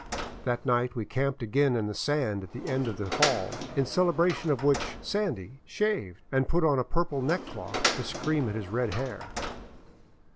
That night we camped again in the sand at the end of the haul, in celebration of which " Sandy " shaved and put on a purple neckcloth to scream at his red hair.